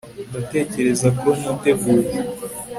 ndatekereza ko niteguye